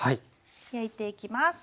焼いていきます。